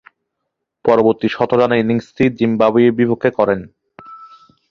পরবর্তী শতরানের ইনিংসটি জিম্বাবুয়ের বিপক্ষে করেন।